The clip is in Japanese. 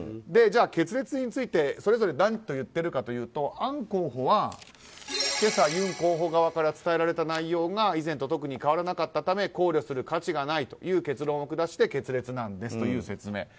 じゃあ、決裂についてそれぞれ何といっているかというとアン候補は今朝ユン候補側から伝えられた内容が以前と特に変わらなかったため考慮する価値がないという結論を下して決裂なんですという説明。